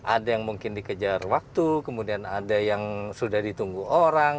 ada yang mungkin dikejar waktu kemudian ada yang sudah ditunggu orang